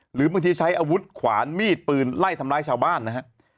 หรือบางทีใช้อาวุธขวานมีดปืนไล่ทำร้ายชาวบ้านนะฮะ